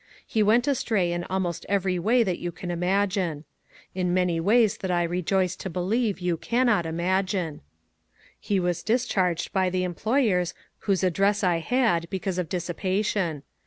He went astray in almost every way that you can imagine. In many ways that I rejoice to believe you cannot imagine. He was dis charged by the employers whose address I had, because of dissipation.